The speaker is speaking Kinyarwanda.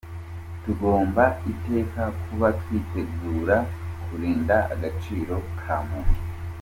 Tugomba iteka kuba twitegura kurinda agaciro ka muntu.